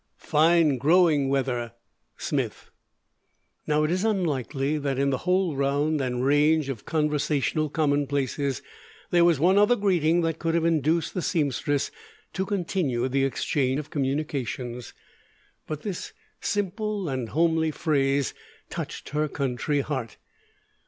fine groing weather Smith Now it is unlikely that in the whole round and range of conversational commonplaces there was one other greeting that could have induced the seamstress to continue the exchange of communications. But this simple and homely phrase touched her country heart.